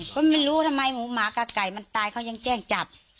ก็ไม่รู้ทำไมหมูหมากับไก่มันตายเขายังแจ้งจับ